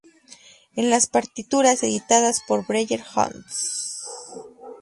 En las partituras editadas por Breyer Hnos.